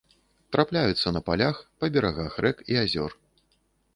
Трапляюцца на палях, па берагах рэк і азёр.